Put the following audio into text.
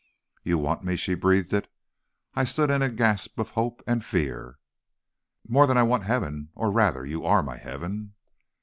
"'You want me?' She breathed it. I stood in a gasp of hope and fear. "'More than I want heaven! Or, rather, you are my heaven.'